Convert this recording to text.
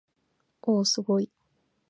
おおおすごい